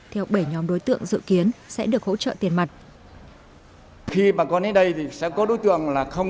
theo bể nhu cầu của bà yến